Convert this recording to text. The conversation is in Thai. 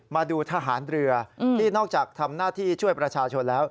มาดูทหารเรือที่นอกจากทำหน้าที่ช่วยประชาชนแล้ว